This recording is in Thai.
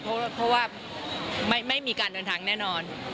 เพราะว่าไม่มีการเดินทางแน่นอน